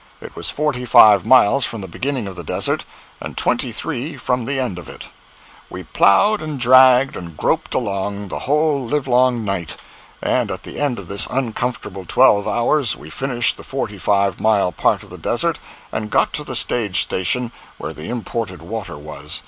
It was forty five miles from the beginning of the desert, and twenty three from the end of it. We plowed and dragged and groped along, the whole live long night, and at the end of this uncomfortable twelve hours we finished the forty five mile part of the desert and got to the stage station where the imported water was.